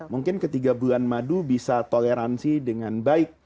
mungkin ketiga bulan madu bisa toleransi dengan baik